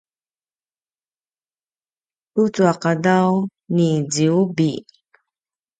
tucu a qadaw niciubi